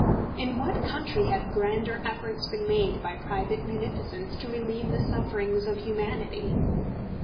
In what country have grander efforts been made by private munificence to relieve the sufferings of humanity?